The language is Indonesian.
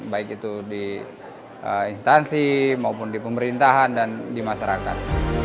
baik itu di instansi maupun di pemerintahan dan di masyarakat